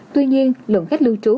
tuy nhiên lượng khách lưu trú